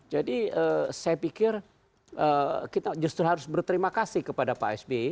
jadi saya pikir kita justru harus berterima kasih kepada pak sbi